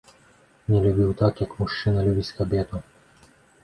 Не любіў так, як мужчына любіць кабету.